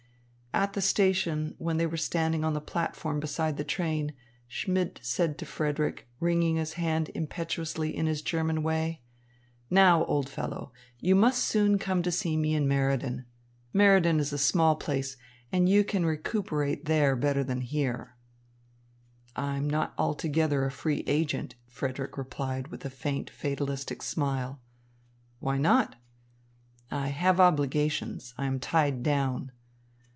At the station, when they were standing on the platform beside the train, Schmidt said to Frederick, wringing his hand impetuously in his German way: "Now, old fellow, you must soon come to see me in Meriden. Meriden is a small place, and you can recuperate there better than here." "I'm not altogether a free agent," Frederick replied with a faint, fatalistic smile. "Why not?" "I have obligations. I am tied down."